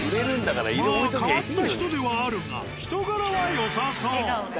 まあ変わった人ではあるが人柄はよさそう。